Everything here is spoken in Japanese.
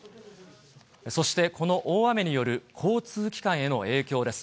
そしてこの大雨による交通機関への影響です。